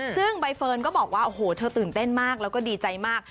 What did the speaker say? ซึ่งใบเฟิร์นก็บอกว่าโอ้โหเธอตื่นเต้นมากแล้วก็ดีใจมาก